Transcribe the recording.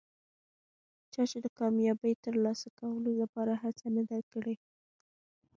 چا چې د کامیابۍ ترلاسه کولو لپاره هڅه نه ده کړي.